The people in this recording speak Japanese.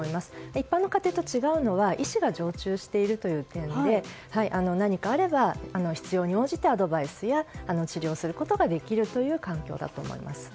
一般の家庭と違うのは医師が常駐しているという点で何かあれば、必要に応じてアドバイスや治療をすることができるという環境だと思います。